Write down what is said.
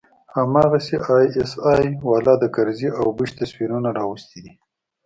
هماغسې آى اس آى والا د کرزي او بوش تصويرونه راوستي دي.